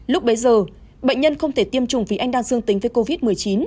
lúc bấy giờ bệnh nhân không thể tiêm chủng vì anh đang dương tính với covid một mươi chín